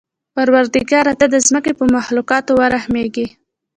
پروردګاره! ته د ځمکې په مخلوقاتو ورحمېږه.